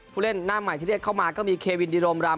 ผู้เล่นหน้าใหม่ที่เรียกเข้ามาก็มีเควินดิโรมรำ